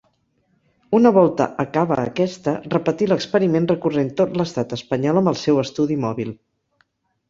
Una volta acaba aquesta, repetí l'experiment recorrent tot l'Estat espanyol amb el seu estudi mòbil.